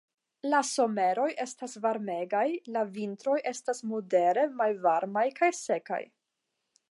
La someroj estas varmegaj, la vintroj estas modere malvarmaj kaj sekaj.